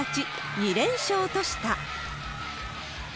２連勝とした。